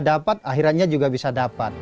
dapat akhirnya juga bisa dapat